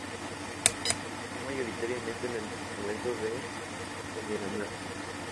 Operó mayoritariamente en el departamento de Cundinamarca.